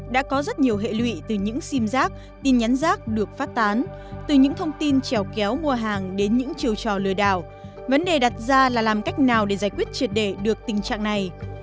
đã có rất nhiều hệ lụy từ những sim giác tin nhắn rác được phát tán từ những thông tin trèo kéo mua hàng đến những chiều trò lừa đảo vấn đề đặt ra là làm cách nào để giải quyết triệt đề được tình trạng này